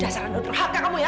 jangan terhaka kamu ya